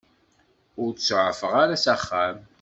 Ur t-suɛfeɣ ara s axxam.